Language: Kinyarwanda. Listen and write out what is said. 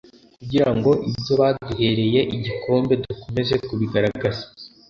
kugira ngo ibyo baduhereye igikombe dukomeze kubigaragaza